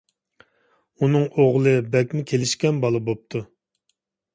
ئۇنىڭ ئوغلى بەكمۇ كېلىشكەن بالا بوپتۇ.